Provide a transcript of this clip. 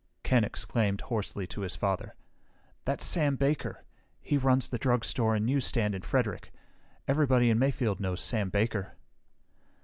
Ken exclaimed hoarsely to his father, "That's Sam Baker! He runs the drugstore and newsstand in Frederick. Everybody in Mayfield knows Sam Baker!"